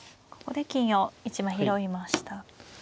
ここで金を１枚拾いました。